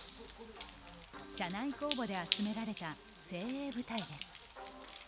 社内公募で集められた精鋭部隊です。